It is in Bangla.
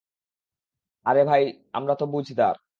আরে ভাই আমরা তো বুঝদার।